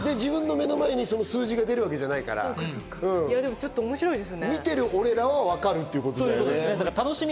目の前に数字が出るわけじゃないし見てる俺らは分かるってことだね。